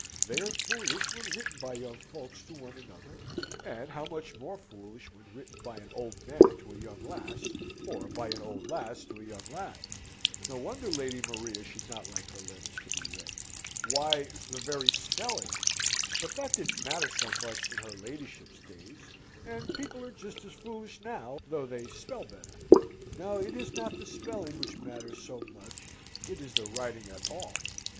They are foolish when written by young folks to one another, and how much more foolish when written by an old man to a young lass, or by an old lass to a young lad! No wonder Lady Maria should not like her letters to be read. Why, the very spelling but that didn't matter so much in her ladyship's days, and people are just as foolish now, though they spell better. No, it is not the spelling which matters so much; it is the writing at all.